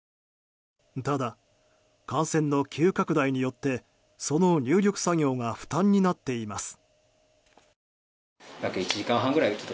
ただ、感染の急拡大によってその入力作業が負担になっています。